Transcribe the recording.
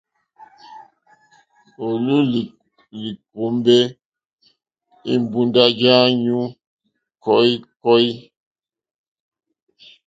O lɔ̀u li kombɛ imbunda ja anyu kɔ̀ikɔ̀i.